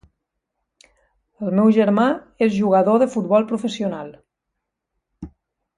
El meu germà és jugador de futbol professional.